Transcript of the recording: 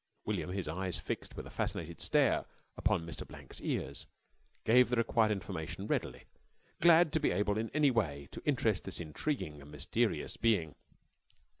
William, his eyes fixed with a fascinated stare upon Mr. Blank's ears, gave the required information readily, glad to be able in any way to interest this intriguing and mysterious being.